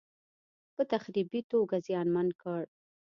په تخریبي توګه زیانمن کړ.